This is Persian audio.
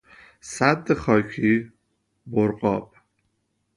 سد خاکی، برغاب